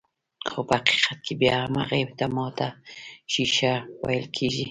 خو په حقيقت کې بيا هم هغې ته ماته ښيښه ويل کيږي.